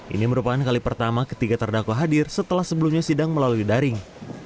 ini merupakan kali pertama ketiga terdakwa hadir setelah sebelumnya sidang melalui daring